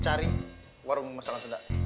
cari warung masakan sunda